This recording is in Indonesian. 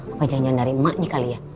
apa janjian dari emaknya kali ya